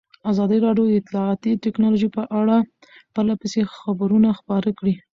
ازادي راډیو د اطلاعاتی تکنالوژي په اړه پرله پسې خبرونه خپاره کړي.